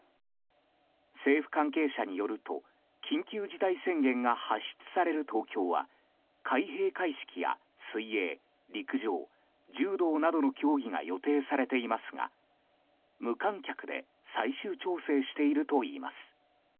政府関係者によると緊急事態宣言が発出される東京は開閉会式や水泳、陸上柔道などの競技が予定されていますが無観客で最終調整しているといいます。